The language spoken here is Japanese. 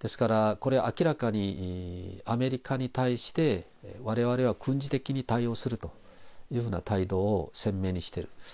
ですから、これ、明らかにアメリカに対して、われわれは軍事的に対応するというふうな態度を鮮明にしている。